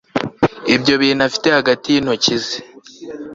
ibyo bintu abifite hagati y'intoki ze